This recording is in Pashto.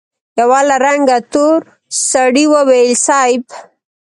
يوه له رنګه تور سړي وويل: صېب!